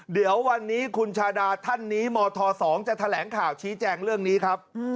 เดี๋ยววันนี้คุณชาดาท่านนี้มธ๒จะแถลงข่าวชี้แจงเรื่องนี้ครับ